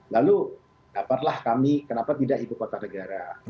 lalu dapatlah kami kenapa tidak ibu kota negara